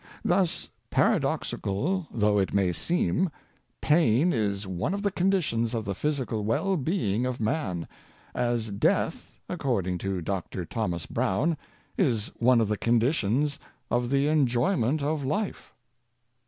Thus, paradoxical though it may seem, pain is one of the conditions of the physical well being of man; as death, according i^> Healthy Existence. 39 Dr. Thomas Brown, is one of the conditions of the enjoyment of life.